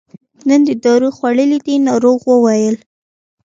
نن دې دارو خوړلي دي ناروغ وویل.